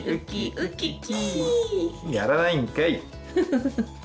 やらないんかい。